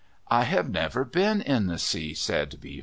"I have never been in the sea," said Beaver.